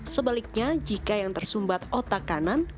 sebaliknya jika yang tersumbat otak kanan